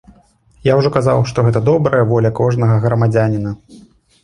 Я ўжо казаў, што гэта добрая воля кожнага грамадзяніна.